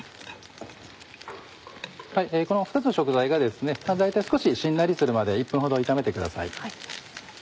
この２つの食材が少ししんなりするまで１分ほど炒めてください。